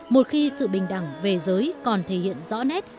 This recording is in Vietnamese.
một khi sự bình đẳng về giới còn thể hiện rõ nét